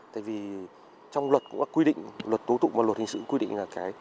tại vì trong luật cũng đã quy định luật tố tụng và luật hình sự quy định là